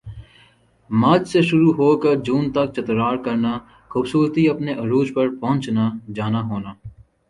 مارچ سے شروع ہوکر جون تک چترال کرنا خوبصورتی اپنا عروج پر پہنچنا جانا ہونا